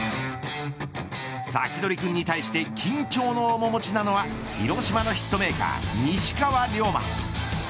サキドリくんに対して緊張の面もちなのは広島のヒットメーカー西川龍馬。